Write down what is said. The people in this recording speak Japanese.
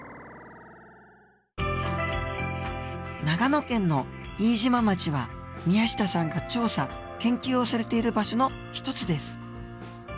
長野県の飯島町は宮下さんが調査研究をされている場所の一つです。